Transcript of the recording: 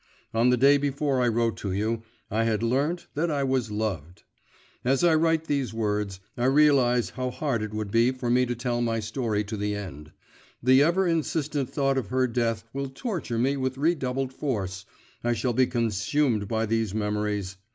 On the day before I wrote to you, I had learnt that I was loved. As I write these words, I realise how hard it would be for me to tell my story to the end. The ever insistent thought of her death will torture me with redoubled force, I shall be consumed by these memories.